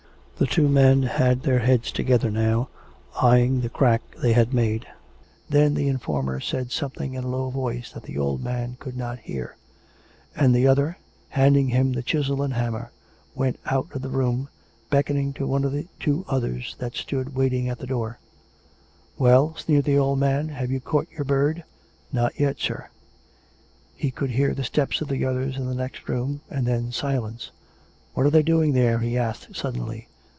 The two men had their heads together now, eyeing the crack they had made. ,.. Then the informer said some thing in a low voice that the old man could not hear; and the other, handing him the chisel and hammer, went out of the room, beckoning to one of the two others that stood waiting at the door. COME RACK! COME ROPE! 427 " Well ?" sneered the old man. " Have you caught your bird? "" Not yet, sir." He could hear the steps of the others in the next room; and then silence. "What are they doing there.''" he asked suddenly.